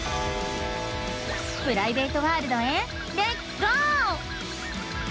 プライベートワールドへレッツゴー！